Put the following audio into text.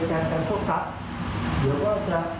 อาจจะเป็นเหยื่อก็ได้นะครับ